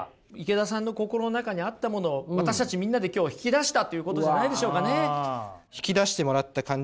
池田さんの心の中にあったものを私たちみんなで今日引き出したということじゃないでしょうかね。